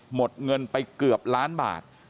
หมดเงินไปเกือบล้านบาท